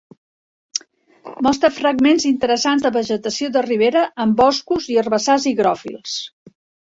Mostra fragments interessants de vegetació de ribera, amb boscos i herbassars higròfils.